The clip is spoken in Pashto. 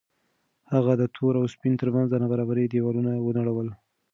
هغه د تور او سپین تر منځ د نابرابرۍ دېوالونه ونړول.